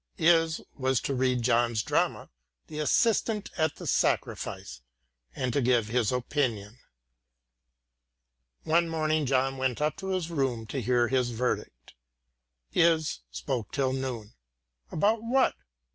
Is was to read John's drama, The Assistant at the Sacrifice, and to give his opinion. One morning John went up to his room to hear his verdict. Is spoke till noon. About what?